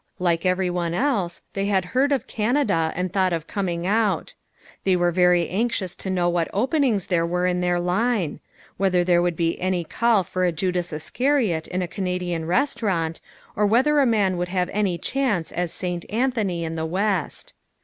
Like everyone else they had heard of Canada and thought of coming out. They were very anxious to know what openings there were in their line; whether there would be any call for a Judas Iscariot in a Canadian restaurant, or whether a man would have any chance as St. Anthony in the West.